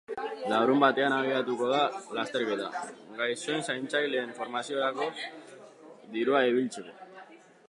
Larunbatean abiatuko da lasterketa, gaixoen zaintzaileen formaziorako dirua biltzeko.